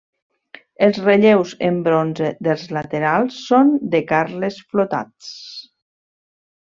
Els relleus en bronze dels laterals són de Carles Flotats.